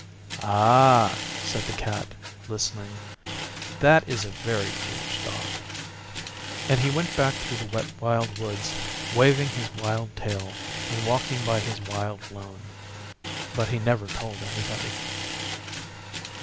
'Ah!' said the Cat, listening. 'That is a very foolish Dog.' And he went back through the Wet Wild Woods waving his wild tail, and walking by his wild lone. But he never told anybody.